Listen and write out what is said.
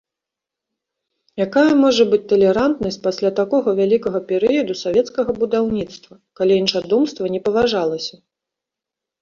Якая можа быць талерантнасць пасля такога вялікага перыяду савецкага будаўніцтва, калі іншадумства не паважалася?